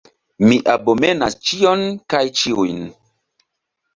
Mi abomenas ĉion kaj ĉiujn!